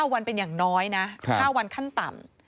วันเป็นอย่างน้อยนะ๕วันขั้นต่ำ